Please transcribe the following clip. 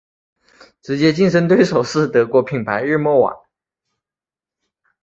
直接竞争对手是德国品牌日默瓦。